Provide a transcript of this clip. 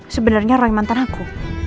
sebenernya roy mantan aku